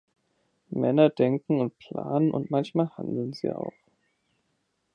Männer denken und planen, und manchmal handeln sie auch.